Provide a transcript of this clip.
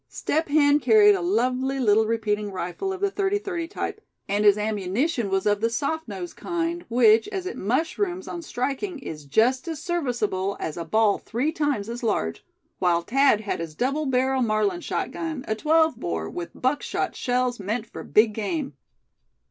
Step Hen carried a lovely little repeating rifle of the thirty thirty type; and his ammunition was of the soft nosed kind, which, as it "mushrooms" on striking, is just as serviceable as a ball three times as large; while Thad had his double barrel Marlin shotgun, a twelve bore, with buckshot shells meant for big game.